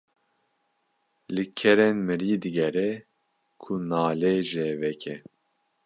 Li kerên mirî digere ku nalê jê veke.